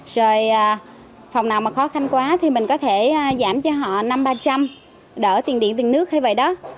rồi phòng nào mà khó khăn quá thì mình có thể giảm cho họ năm ba trăm linh đỡ tiền điện tiền nước như vậy đó